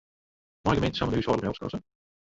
Meie gemeenten samar de húshâldlike help skrasse?